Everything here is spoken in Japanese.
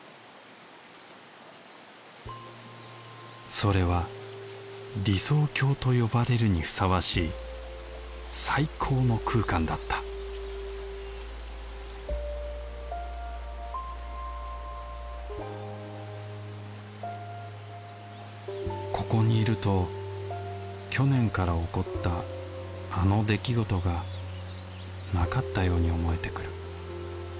それは理想郷と呼ばれるにふさわしい最高の空間だったここにいると去年から起こったあの出来事がなかったように思えてくる。